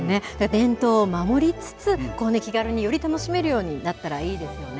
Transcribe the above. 伝統を守りつつ、気軽により楽しめるようになったらいいですよね。